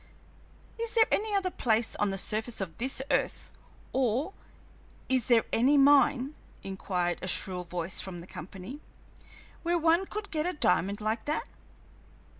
"Is there any other place on the surface of this earth, or is there any mine," inquired a shrill voice from the company, "where one could get a diamond like that?"